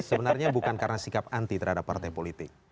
sebenarnya bukan karena sikap anti terhadap partai politik